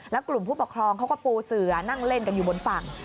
แล้วกลุ่มผู้ปกครองเขาก็ปูเสือนั่งเล่นกันอยู่บนฝั่ง